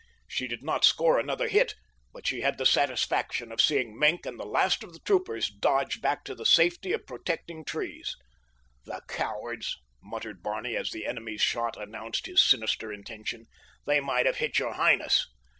She did not score another hit, but she had the satisfaction of seeing Maenck and the last of his troopers dodge back to the safety of protecting trees. "The cowards!" muttered Barney as the enemy's shot announced his sinister intention; "they might have hit your highness."